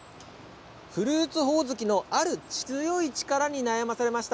フルーツほおずきのある強い力に悩まされました。